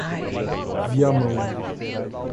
Viamão